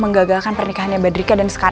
menggagalkan pernikahannya badrika dan scar aja